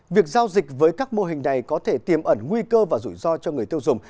việc giao dịch với các mô hình này có thể tiềm ẩn nguy cơ và rủi ro cho người tiêu dùng